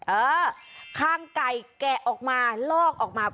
เออคางไก่แกะออกมาลอกออกมา